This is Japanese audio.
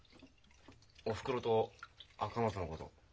おふくろと赤松のこと。